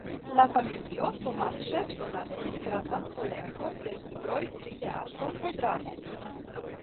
La familio Tamanŝev donacis grandan kolekton de libroj pri teatro kaj dramo.